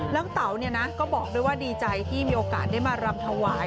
แล้วเต๋าก็บอกด้วยว่าดีใจที่มีโอกาสได้มารำถวาย